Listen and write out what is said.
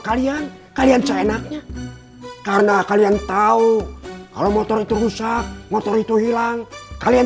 kalian kalian seenaknya karena kalian tahu kalau motor itu rusak motor itu hilang kalian